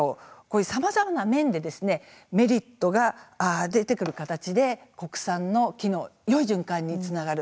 さまざまな面でメリットが出てくる形で国産の木のよい循環につながる。